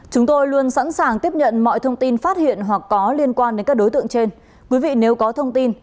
chúng tôi luôn sẵn sàng tiếp nhận mọi thông tin phát hiện hoặc có liên quan đến các đối tượng trên